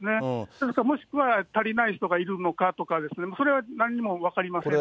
それともしくは、足りない人がいるのかとかですね、それは何も分かりませんので。